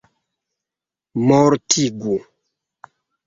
mortigu